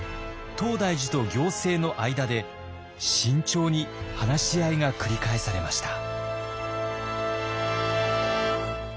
東大寺と行政の間で慎重に話し合いが繰り返されました。